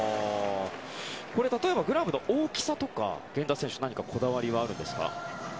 例えばグラブの大きさとか源田選手は何かこだわりはあるんですか？